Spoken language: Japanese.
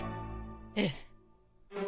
ええ。